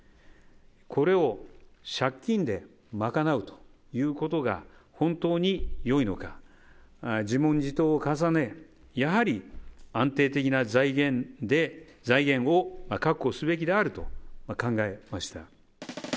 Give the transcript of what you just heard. これを借金で賄うということが本当によいのか、自問自答を重ね、やはり安定的な財源を確保すべきであると考えました。